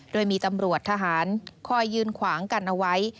โดยมีตำรวจทหารคอยยืนขวางกันเอาไว้